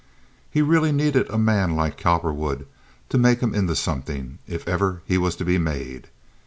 He really needed a man like Cowperwood to make him into something, if ever he was to be made.